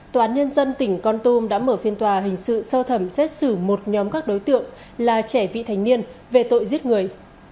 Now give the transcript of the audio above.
tòa án nhân dân tỉnh con tum đã mở phiên tòa hình sự sơ thẩm xét xử một nhóm các đối tượng là trẻ vị thành niên về tội giết người